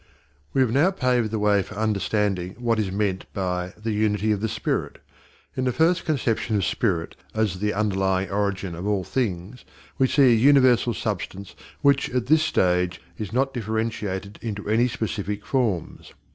We have now paved the way for understanding what is meant by "the unity of the spirit." In the first conception of spirit as the underlying origin of all things we see a universal substance which, at this stage, is not differentiated into any specific forms.